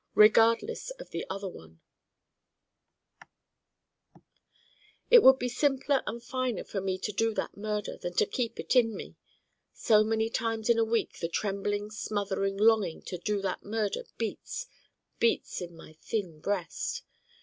Regardless of the other one it would be simpler and finer for me to do that Murder than to keep it in me. So many times in a week the trembling smothering longing to do that Murder beats, beats in my thin breast.